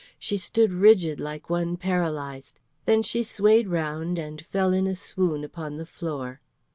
She stood rigid like one paralysed; then she swayed round and fell in a swoon upon the floor.